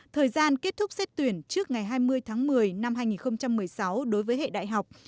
thời gian kết thúc xét tuyển trước ngày hai mươi tháng một mươi năm hai nghìn một mươi sáu đối với hệ đại học